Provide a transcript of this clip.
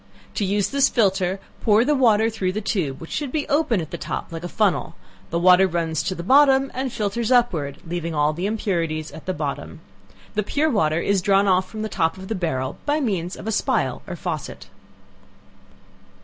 To use this filter pour the water through the tube, (which should be open at the top like a funnel;) the water runs to the bottom, and filters upward, leaving all the impurities at the bottom. The pure water is drawn off from the top of the barrel by means of a spile or faucet.